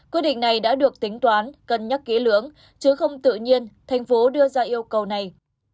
quyết định này đã được tính toán cân nhắc kỹ lưỡng chứ không tự nhiên thành phố đưa ra yêu cầu này